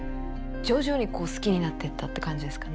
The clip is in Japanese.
徐々にこう好きになってったって感じですかね